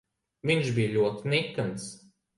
Viņš bija ļoti nikns.